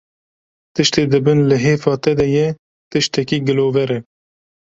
tiştê di bin lihêfa te de ye tiştekî gilover e